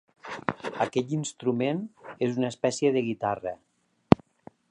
Aquell instrument és una espècie de guitarra.